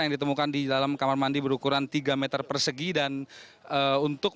yang ditemukan di dalam kamar mandi berukuran tiga meter persegi dan untuk